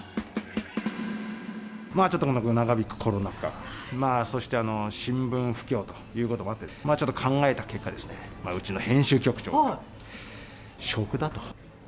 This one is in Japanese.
ちょっと長引くコロナ禍、そして新聞不況ということもあって、ちょっと考えた結果ですね、うちの編集局長が、食だと。